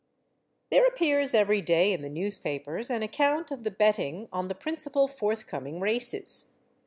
_ There appears every day in the newspapers an account of the betting on the principal forthcoming races.